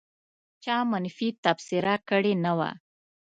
چا منفي تبصره کړې نه وه.